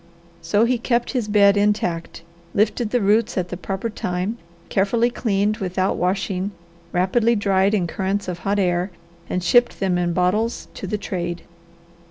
So he kept his bed intact, lifted the roots at the proper time, carefully cleaned without washing, rapidly dried in currents of hot air, and shipped them in bottles to the trade.